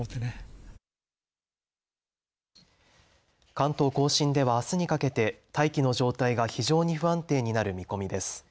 関東甲信ではあすにかけて大気の状態が非常に不安定になる見込みです。